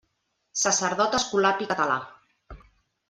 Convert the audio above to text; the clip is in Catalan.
Sacerdot escolapi català.